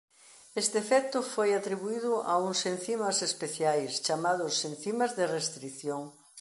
Este efecto foi atribuído a uns encimas especiais chamados encimas de restrición.